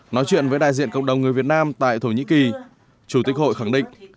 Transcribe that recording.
nói chuyện với đại diện cộng đồng người việt nam tại thổ nhĩ kỳ chủ tịch hội khẳng định